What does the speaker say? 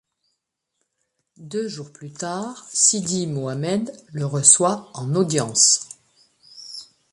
Deux jours plus tard, Sidi Mohammed le reçoit en audience.